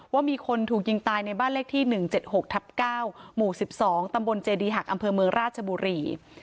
ว่ามีคนถูกยิงตายในบ้านเลขที่๑๗๖๙หมู่๑๒ตำบลเจดีหักอมราชบุรี